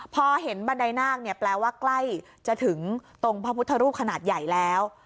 พอเห็นบันไดนาคเนี่ยแปลว่าใกล้จะถึงตรงพระพุทธรูปขนาดใหญ่แล้ว